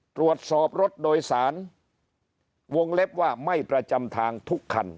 ตรวจสอบรถโดยสารวงเล็บว่าไม่ประจำทางทุกคัน